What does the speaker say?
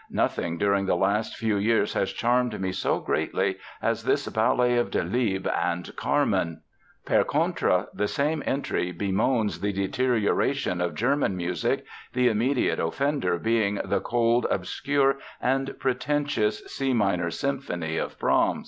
Nothing during the last few years has charmed me so greatly as this ballet of Delibes and 'Carmen'." Per contra, the same entry bemoans the "deterioration" of German music, the immediate offender being the "cold, obscure and pretentious" C minor symphony of Brahms!